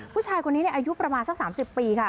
ผู้ชายคนนี้อายุประมาณสัก๓๐ปีค่ะ